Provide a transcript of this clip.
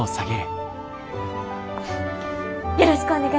よろしくお願いします！